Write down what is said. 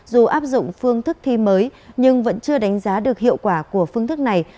dù áp dụng phương thức thi mới nhưng vẫn chưa đánh giá được hiệu quả của phương thức này